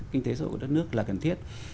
kinh tế sổ của đất nước là cần thiết